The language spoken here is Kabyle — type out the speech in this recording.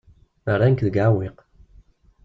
Rran-k deg uɛewwiq.